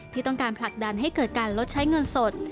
ที่ต้องการผลักดันให้เกิดการลดใช้เงินสด